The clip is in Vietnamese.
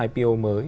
hai po mới